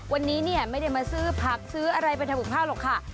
วันนี้เนี่ยไม่ได้มาซื้อผักซื้ออะไรไปทำกับข้าวหรอกค่ะ